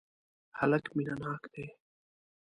هلک مینه ناک دی.